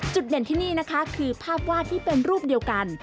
เด่นที่นี่นะคะคือภาพวาดที่เป็นรูปเดียวกัน